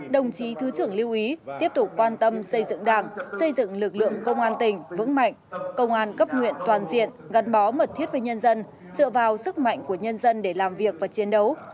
đồng chí thứ trưởng lưu ý tiếp tục quan tâm xây dựng đảng xây dựng lực lượng công an tỉnh vững mạnh công an cấp huyện toàn diện gắn bó mật thiết với nhân dân dựa vào sức mạnh của nhân dân để làm việc và chiến đấu